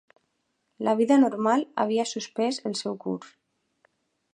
La vida normal havia suspès el seu curs.